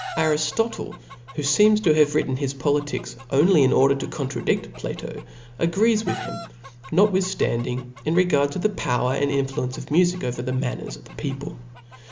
Ariftotle, who feems to have written his politics, only in order to contra'dift Plato, agrees with him, notwithftanding, in regard to the power and influence of mufic pver the man ners of the people.